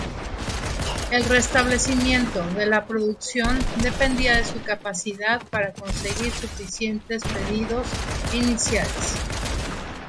El restablecimiento de la producción dependía de su capacidad para conseguir suficientes pedidos iniciales.